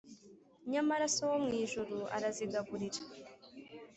Nyamara so wo mu ijuru arazigaburira